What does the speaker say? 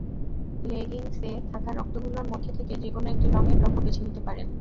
লেগিংসে থাকা রংগুলোর মধ্য থেকে যেকোনো একটি রঙের টপও বেছে নিতে পারেন।